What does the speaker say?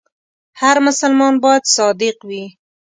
هر مسلمان باید صادق وي.